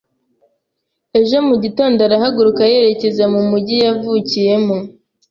Ejo mu gitondo arahaguruka yerekeza mu mujyi yavukiyemo.